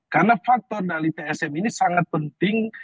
karena faktor dari tsm ini sangat penting